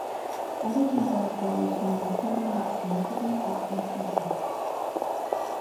Others involve partners who naturally have a significant difference in size.